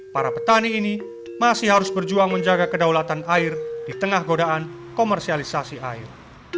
para petani ini masih harus berjuang menjaga kedaulatan air di tengah godaan komersialisasi air